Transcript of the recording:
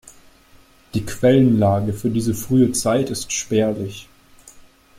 Die Quellenlage für diese frühe Zeit ist spärlich.